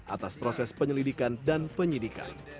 atas proses penyelidikan dan penyidikan